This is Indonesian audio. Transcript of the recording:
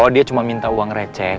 oh dia cuma minta uang receh